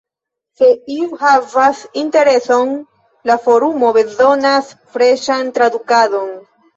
Se iu havas intereson, la forumo bezonas freŝan tradukadon.